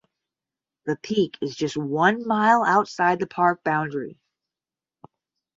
The peak is just one mile outside the park boundary.